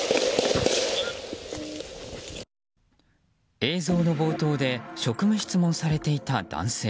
映像の冒頭で職務質問されていた男性。